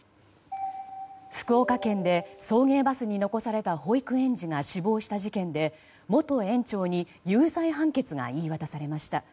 福岡県で送迎バスに残された保育園児が死亡した事件で、元園長に有罪判決が言い渡されました。